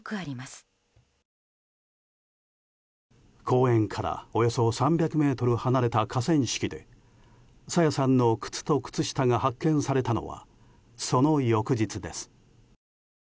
公園からおよそ３００ｍ離れた河川敷で朝芽さんの靴と靴下が発見されたのはその翌日です。